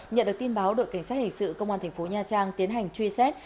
nhận được tin báo đội cảnh sát hình sự công an thành phố nha trang tiến hành truy xét